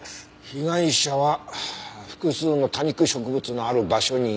被害者は複数の多肉植物のある場所にいた。